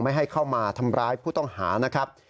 ไม่ให้เข้ามาทำร้ายผู้ต้องหานะครับ